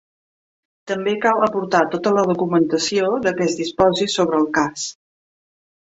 També cal aportar tota la documentació de què es disposi sobre el cas.